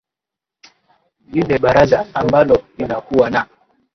lile baraza ambalo linakuwa na